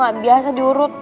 gua gak biasa diurut